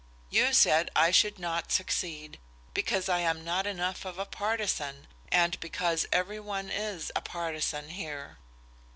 "You said I should not succeed because I am not enough of a partisan, and because every one is a partisan here."